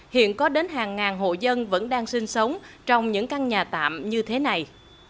hiện có đến hàng ngàn hộ dân vẫn đang sinh sống trong những căn nhà tạm như thế này